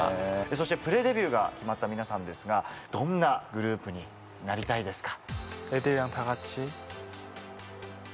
そしてプレデビューが決まった皆さんですがどんなグループになりたいですか？